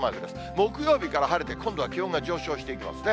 木曜日から晴れて、今度は気温が上昇していきますね。